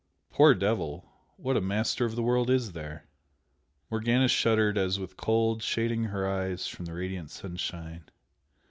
Poor devil! What a 'master of the world' is there!" Morgana shuddered as with cold, shading her eyes from the radiant sunshine.